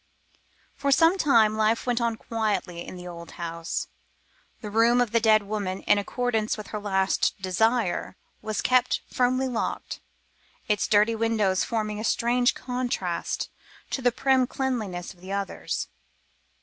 For some time life went on quietly in the old house. The room of the dead woman, in accordance with her last desire, was kept firmly locked, its dirty windows forming a strange contrast to the prim cleanliness of the others.